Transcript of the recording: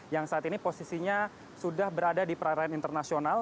yang saat ini posisinya sudah berada di perairan internasional